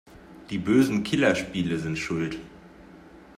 Die bösen Killerspiele sind schuld!